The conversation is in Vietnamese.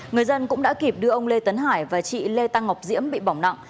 người dân cũng đã kịp đưa ông lê tấn hải và chị lê tăng ngọc diễm bị bỏng nặng